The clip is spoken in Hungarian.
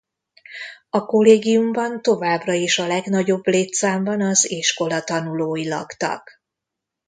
A kollégiumban továbbra is a legnagyobb létszámban az iskola tanulói laktak.